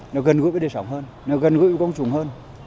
nó gần gũi với đề sống hơn nó gần gũi với công chủng hơn